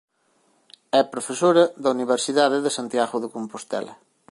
É profesora da Universidade de Santiago de Compostela.